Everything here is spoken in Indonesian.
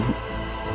dia masih kecil